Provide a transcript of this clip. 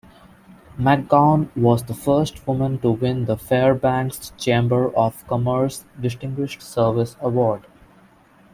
McGown was the first woman to win the Fairbanks Chamber of Commerce distinguished-service award.